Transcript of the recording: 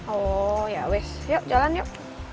oh yowis yuk jalan yuk